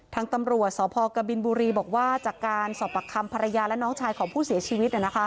ทางตำรวจสพกบินบุรีบอกว่าจากการสอบปากคำภรรยาและน้องชายของผู้เสียชีวิต